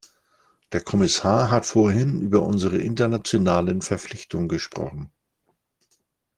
Der Kommissar hat vorhin über unsere internationalen Verpflichtungen gesprochen.